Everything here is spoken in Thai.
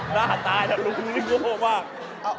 หน้าตายหลงหัวโกป้งมาก